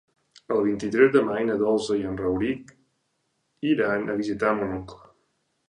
El vint-i-tres de maig na Dolça i en Rauric iran a visitar mon oncle.